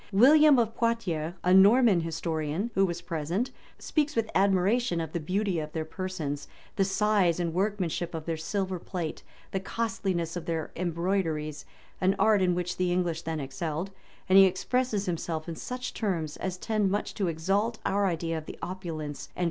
William of Poictiers, a Norman historian,[*] who was present, speaks with admiration of the beauty of their persons, the size and workmanship of their silver plate, the costliness of their embroideries, an art in which the English then excelled; and he expresses himself in such terms, as tend much to exalt our idea of the opulence and cultivation of the people.